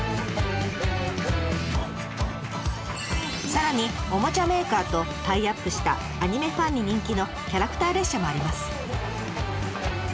さらにおもちゃメーカーとタイアップしたアニメファンに人気のキャラクター列車もあります。